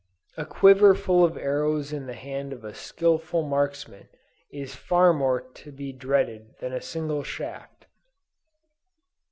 A quiver full of arrows in the hand of a skilful marksman, is far more to be dreaded than a single shaft.